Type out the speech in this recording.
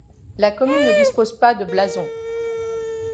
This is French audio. La commune ne dispose pas de blason.